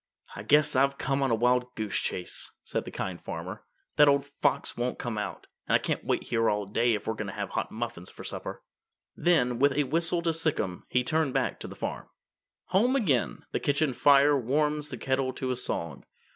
"I guess I've come on a wild goose chase," said the Kind Farmer. "That old fox won't come out, and I can't wait here all day for we're going to have hot muffins for supper." Then, with a whistle to Sic'em, he turned back to the farm. Home again! The kitchen fire Warms the kettle to a song.